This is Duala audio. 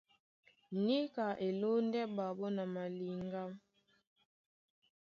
Níka e lóndɛ́ ɓaɓɔ́ na maliŋgá.